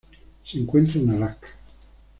Se encuentra en Alaska.